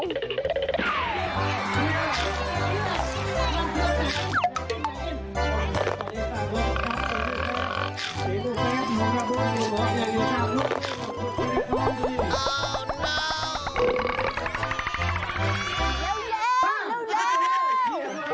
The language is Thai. เร็ว